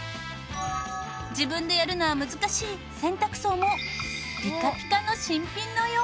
自分でやるのは難しい洗濯槽もピカピカの新品のよう。